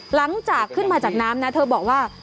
หลังจากขึ้นมาจากน้ำนะเธอบอกว่า